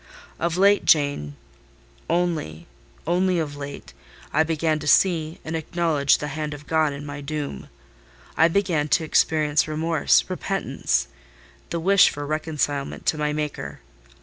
Of late, Jane—only—only of late—I began to see and acknowledge the hand of God in my doom. I began to experience remorse, repentance; the wish for reconcilement to my Maker.